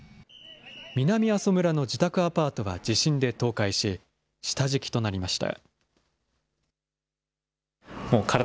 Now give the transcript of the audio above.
南阿蘇村の自宅アパートが地震で倒壊し、下敷きとなりました。